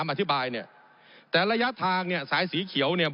ผมอภิปรายเรื่องการขยายสมภาษณ์รถไฟฟ้าสายสีเขียวนะครับ